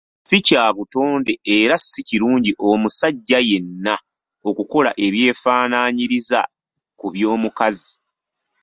Si kya butonde era si kirungi omusajja yenna okukola ebyefaananyiriza ku by'omukazi.